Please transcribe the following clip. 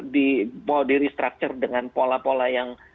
di mau di restructure dengan pola pola yang